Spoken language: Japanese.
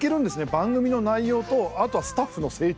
番組の内容とあとはスタッフの成長。